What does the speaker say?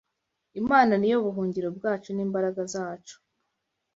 Imana ni yo buhungiro bwacu n’imbaraga zacu